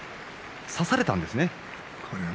差されたんですね。